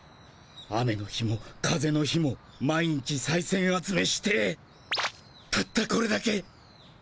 雨の日も風の日も毎日さいせん集めしてたったこれだけ。